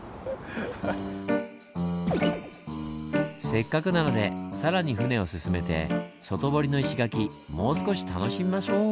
せっかくなので更に船を進めて外堀の石垣もう少し楽しみましょう！